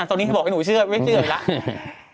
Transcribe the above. ตอนนี้เขาบอกให้หนูเชื่อไม่เชื่ออีกแล้ว